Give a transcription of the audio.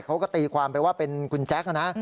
เขาก็ตีความไปว่าเป็นคุณแจ๊คนะ